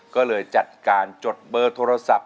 ก็เลยจัดการจดเบอร์โทรศัพท์